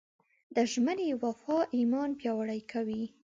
د ژمنې وفا ایمان پیاوړی کوي.